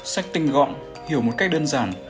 sách tinh gọn hiểu một cách đơn giản